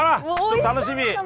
ちょっと楽しみ！